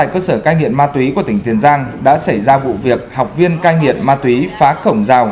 cơ sở cai nghiện ma túy của tỉnh tiền giang đã xảy ra vụ việc học viên cai nghiện ma túy phá cổng rào